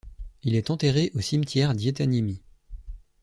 Il est enterré au Cimetière d'Hietaniemi.